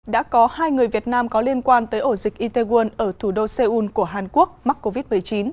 đã có hai người việt nam có liên quan tới ổ dịch itaewon ở thủ đô seoul của hàn quốc mắc covid một mươi chín